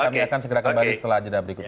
kami akan segera kembali setelah jeda berikut ini